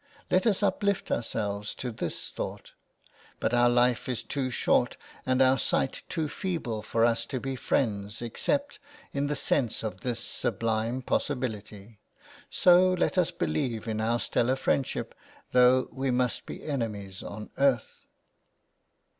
Let us uplift ^' ourselves to this thought ! But our life is too short " and our sight too feeble for us to be friends except '' in the sense of this sublime possibility. So, let us " believe in our stellar friendship though we must be " enemies on earth."